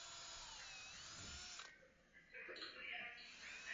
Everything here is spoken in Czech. Malá Kraš původně tvořila část velké vesnice Kraš.